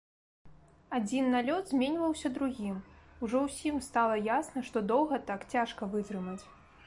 Адзін налёт зменьваўся другім, ужо ўсім стала ясна, што доўга так цяжка вытрымаць.